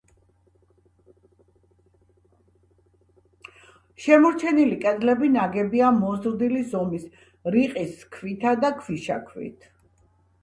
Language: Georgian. შემორჩენილი კედლები ნაგებია მოზრდილი ზომის რიყის ქვითა და ქვიშაქვით.